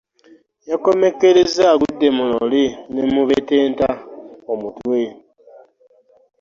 Yakomeketeza agudde mu loole n'emubetenta omutwe .